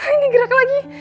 ini gerak lagi